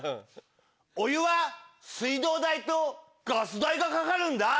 お湯は水道代とガス代がかかるんだ。